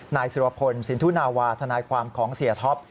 นายสุรพลสินทุนาวาทนายความของเสียท็อป